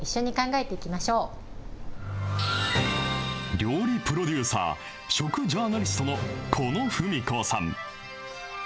料理プロデューサー、食ジャーナリストの孤野扶実子さん。